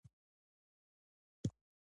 دلته د هغوی ترمنځ هماهنګي رامنځته کیږي.